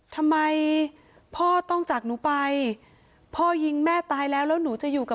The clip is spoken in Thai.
โลงศพหนัก